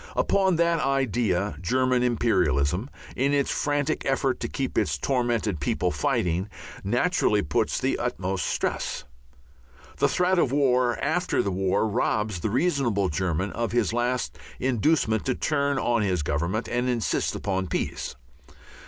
Upon that idea German imperialism, in its frantic effort to keep its tormented people fighting, naturally puts the utmost stress. The threat of War after the War robs the reasonable German of his last inducement to turn on his Government and insist upon peace.